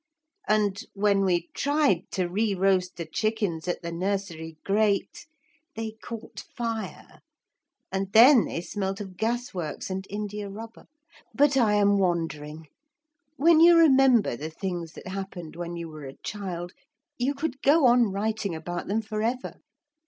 And when we tried to re roast the chickens at the nursery grate, they caught fire, and then they smelt of gasworks and india rubber. But I am wandering. When you remember the things that happened when you were a child, you could go on writing about them for ever.